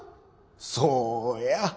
そうや。